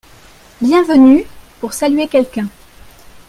Bienvenue (pour saluer quelqu'un)